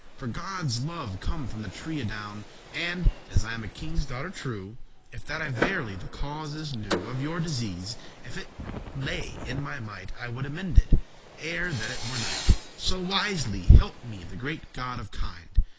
For Godde's love come from the tree adown And, as I am a kinge's daughter true, If that I verily the causes knew Of your disease,* if it lay in my might, *distress I would amend it, ere that it were night, So wisly help me the great God of kind.